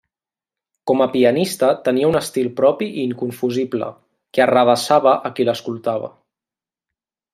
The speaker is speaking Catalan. Com a pianista tenia un estil propi i inconfusible, que arrabassava a qui l'escoltava.